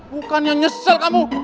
bukannya nyesel kamu